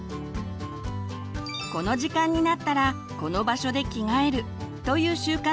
この時間になったらこの場所で着替えるという習慣